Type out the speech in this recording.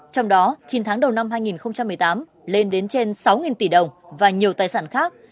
trong đó chín tháng đầu năm hai nghìn một mươi tám lên đến trên sáu tỷ đồng và nhiều tài sản khác